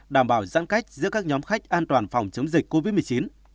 đảm bảo giãn cách giữa các nhóm khách an toàn phòng chống dịch covid một mươi chín